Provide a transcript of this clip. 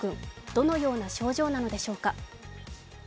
どのような症状なのでしょうか。